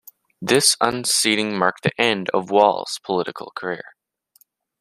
This unseating marked the end of Walls' political career.